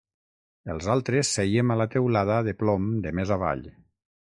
Els altres sèiem a la teulada de plom de més avall